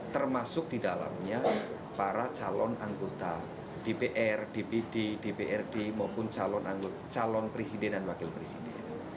termasuk di dalamnya para calon anggota dpr dpd dprd maupun calon presiden dan wakil presiden